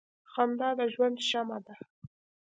• خندا د ژوند شمع ده.